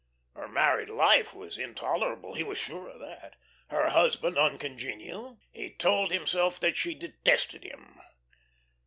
Her married life was intolerable, he was sure of that; her husband uncongenial. He told himself that she detested him.